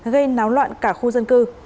gây náo loạn cả khu dân cư